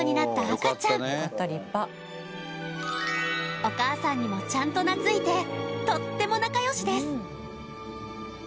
赤ちゃんお母さんにもちゃんとなついてとっても仲良しです